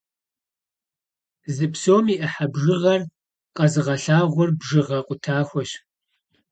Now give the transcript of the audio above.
Зы псом и ӏыхьэ бжыгъэр къэзыгъэлъагъуэр бжыгъэ къутахуэщ.